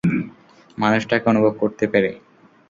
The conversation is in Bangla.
মানুষটাকে অনুভব করতে পেরে।